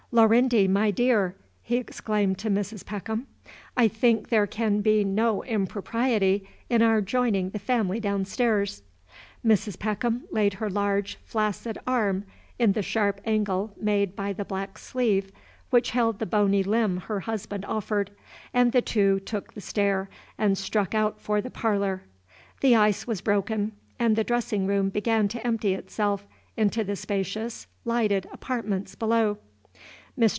"Lorindy, my dear!" he exclaimed to Mrs. Peckham, "I think there can be no impropriety in our joining the family down stairs." Mrs. Peckham laid her large, flaccid arm in the sharp angle made by the black sleeve which held the bony limb her husband offered, and the two took the stair and struck out for the parlor. The ice was broken, and the dressing room began to empty itself into the spacious, lighted apartments below. Mr.